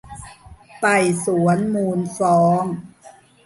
ไต่สวนมูลฟ้อง